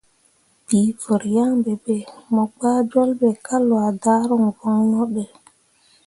Bii vər yaŋ ɓe be, mo gbah jol ɓe ka lwa daruŋ voŋno də.